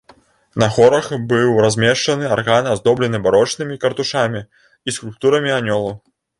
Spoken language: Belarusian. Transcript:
На хорах быў размешчаны арган аздоблены барочнымі картушамі і скульптурамі анёлаў.